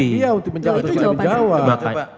itu halia untuk menjawab itu jawabannya